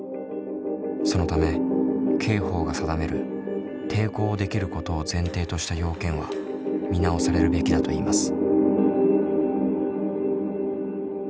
そのため刑法が定める抵抗できることを前提とした要件は見直されるべきだといいます。